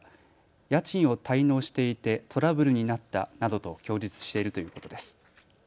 家賃を滞納していてトラブルになったなどと供述しているということです。